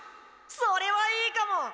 それはいいかも！